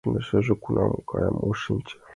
Йӧршынжӧ кунам кая — ом шинче.